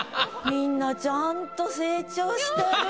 みんなちゃんと成長してる。